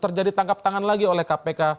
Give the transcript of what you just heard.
terjadi tangkap tangan lagi oleh kpk